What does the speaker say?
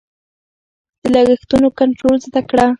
د لګښتونو کنټرول زده کړه.